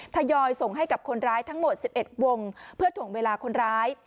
ทยอยส่งให้กับคนร้ายทั้งหมด๑๑วงเพื่อถ่วงเวลาคนร้าย